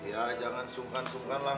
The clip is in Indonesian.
ya jangan sungkan sungkanlah